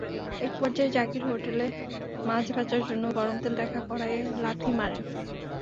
একপর্যায়ে জাকির হোটেলে মাছ ভাজার জন্য গরম তেল রাখা কড়াইয়ে লাথি মারেন।